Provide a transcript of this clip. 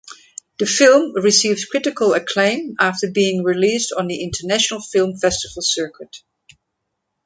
The film received critical acclaim after being released on the international film festival circuit.